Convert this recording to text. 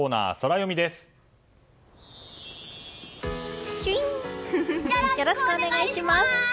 よろしくお願いします！